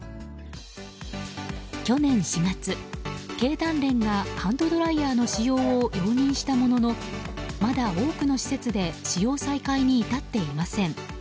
去年４月、経団連がハンドドライヤーの使用を容認したもののまだ、多くの施設で使用再開に至っていません。